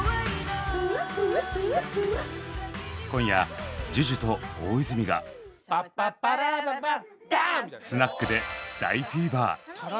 今夜ＪＵＪＵと大泉がスナックで大フィーバー。